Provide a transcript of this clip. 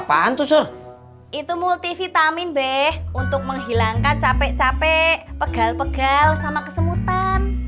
apaan tuh itu multivitamin be untuk menghilangkan capek capek pegal pegal sama kesemutan